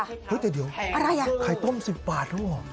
เฮ้ยแต่เดี๋ยวอะไรอ่ะไข่ต้ม๑๐บาทลูกหรอ